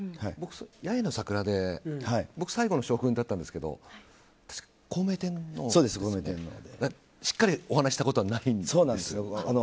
僕は「八重の桜」で最後の将軍だったんですけど孝明天皇でしっかりお話したことはないんですけど。